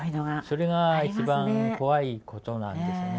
それが一番怖いことなんですね。